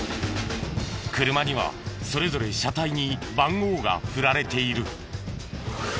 車にはそれぞれ車体に番号が振られている。